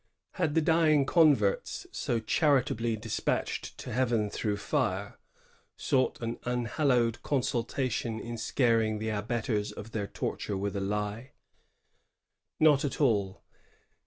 Had the dying converts, so chari tably despatched to heaven through fire, sought an unhallowed consolation in scaring the abettors of their torture with a lie ? Not at all.